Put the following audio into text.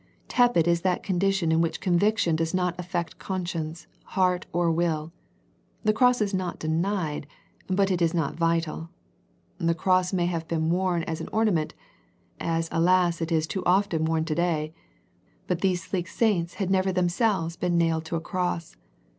Tepid is that condition in which conviction does not affect conscience, heart, or will. The Cross is not denied, but it is not vital. The Cross may have been worn as an ornament, as alas it is too often worn to day, but these sleek saints had never themselves been nailed to a Cross.